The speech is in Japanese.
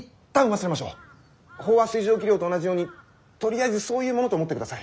飽和水蒸気量と同じようにとりあえずそういうものと思ってください。